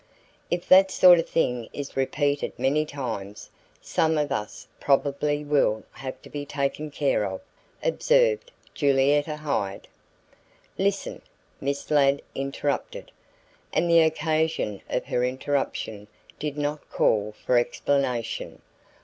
"If that sort of thing is repeated many times, some of us probably will have to be taken care of," observed Julietta Hyde. "Listen!" Miss Ladd interrupted, and the occasion of her interruption did not call for explanation.